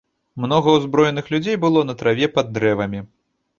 Многа ўзброеных людзей было на траве пад дрэвамі.